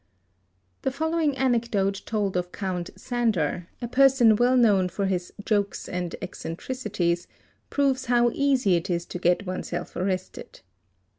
The following anecdote told of Count Sandor, a person well known ' for his jokes and excentricities, proves how easy it is to get oneself arrested.